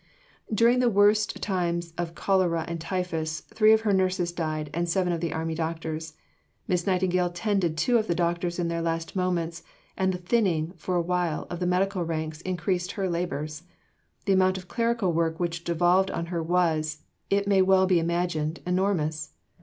During the worst time of cholera and typhus, three of her nurses died, and seven of the army doctors. Miss Nightingale tended two of the doctors in their last moments, and the thinning, for a while, of the medical ranks increased her labours. The amount of clerical work which devolved on her was, it may be well imagined, enormous.